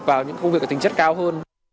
vào những công việc có tính chất cao hơn